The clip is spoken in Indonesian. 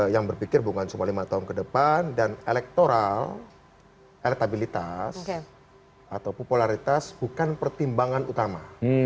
yang berpikir bukan cuma lima tahun ke depan dan elektoral elektabilitas atau popularitas bukan pertimbangan utama